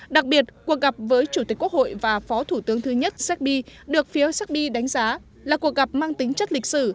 đặc biệt cuộc gặp với chủ tịch quốc hội và phó thủ tướng thứ nhất séc bi được phiếu séc bi đánh giá là cuộc gặp mang tính chất lịch sử